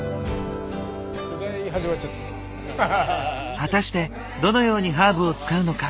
果たしてどのようにハーブを使うのか。